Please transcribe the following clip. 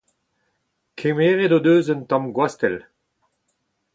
Kemeret o deus un tamm gwastell.